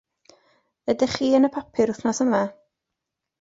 Ydych chi yn y papur wythnos yma?